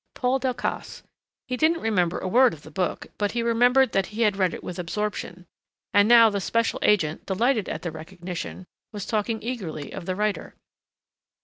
Paul Delcassé. He didn't remember a word of the book, but he remembered that he had read it with absorption. And now the special agent, delighted at the recognition, was talking eagerly of the writer.